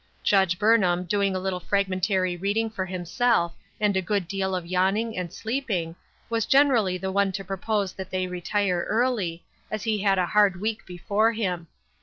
Judge Burnham, doing a little fragmentary reading for himself, and a good deal of yawning and sleep ing, was generally the one to propose that they retire early, as he had a hard week before him.